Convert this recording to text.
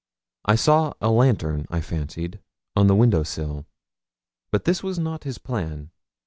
I saw a lantern, I fancied, on the window sill. But this was not his plan.